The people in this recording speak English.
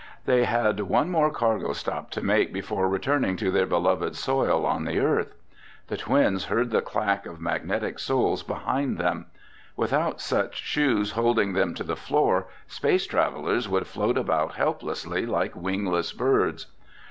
They had one more cargo stop to make before returning to their beloved soil on the Earth. The twins heard the clack of magnetic soles behind them. Without such shoes holding them to the floor, space travelers would float about helplessly like wingless birds.